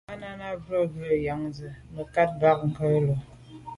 À’ nâ’ bə́ mbrə̀ bú gə ́yɑ́nə́ zə̀ mə̀kát mbâ ngɑ̀ lù’ə́.